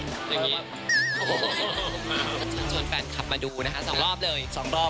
ช่วยชวนแฟนคับมาดูนะคะ๒รอบเลย